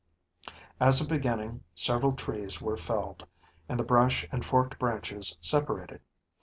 As a beginning, several trees were felled, and the brush and forked branches separated.